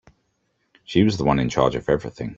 She was the one in charge of everything.